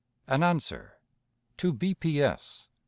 AN ANSWER. TO B. P. S.